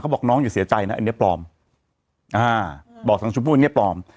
บอกน้องอย่าเสียใจนะอันนี้ปลอมอ่าบอกทางชมพู่อันนี้ปลอม